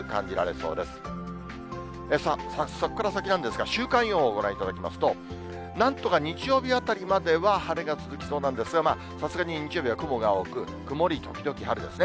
そこから先なんですが、週間予報をご覧いただきますと、なんとか日曜日あたりまでは晴れが続きそうなんですが、まあ、さすがに日曜日は雲が多く、曇り時々晴れですね。